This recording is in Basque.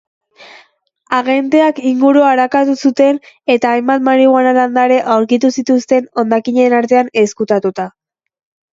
Agenteak ingurua arakatu zuten eta hainbat marihuana landare aurkitu zituzten hondakinen artean ezkutatuta.